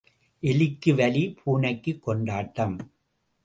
எலிக்கு வலி, பூனைக்குக் கொண்டாட்டம்.